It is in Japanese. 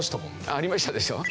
ありましたでしょ？